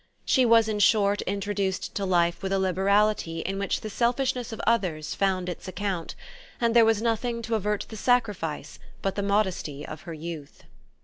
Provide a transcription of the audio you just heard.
She was in short introduced to life with a liberality in which the selfishness of others found its account, and there was nothing to avert the sacrifice but the modesty of her youth.